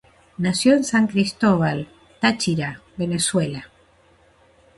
Nació en San Cristóbal, Táchira, Venezuela.